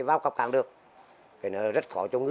và được xây dựng